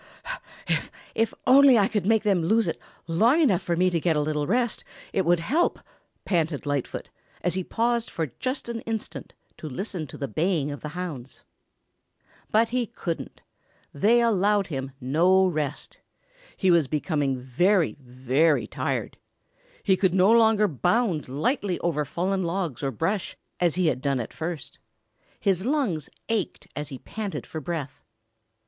"If only I could make them lose it long enough for me to get a little rest, it would help," panted Lightfoot, as he paused for just an instant to listen to the baying of the hounds. But he couldn't. They allowed him no rest. He was becoming very, very tired. He could no longer bound lightly over fallen logs or brush, as he had done at first. His lungs ached as he panted for breath.